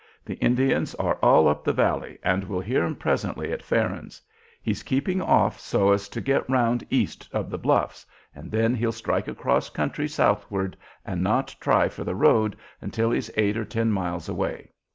The Indians are all up the valley and we'll hear 'em presently at Farron's. He's keeping off so as to get round east of the bluffs, and then he'll strike across country southward and not try for the road until he's eight or ten miles away.